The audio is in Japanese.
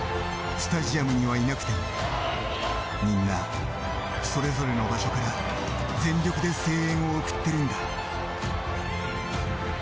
スタジアムにはいなくても、みんな、それぞれの場所から全力で声援を送っているんだ。